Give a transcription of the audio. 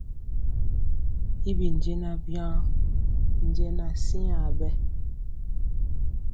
Y bi jɛɛnaŋ waŋ jɛŋɔ asiaŋ bɛ.